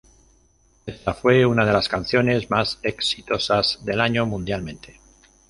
Esta fue una de las canciones más exitosas del año mundialmente.